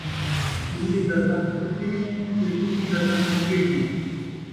ٻلی دا کن کُتی کوں تے کُتی دا کن ٻکری کوں